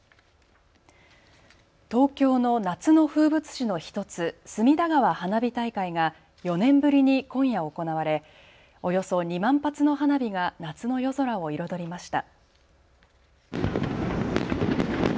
東京の夏の風物詩の１つ隅田川花火大会が４年ぶりに今夜行われおよそ２万発の花火が夏の夜空を彩りました。